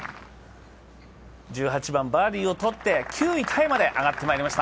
１８番、バーディーをとって、９位タイまで上がってきました。